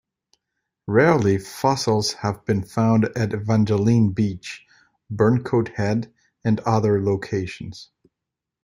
Rarely, fossils have been found at Evangeline Beach, Burntcoat Head, and other locations.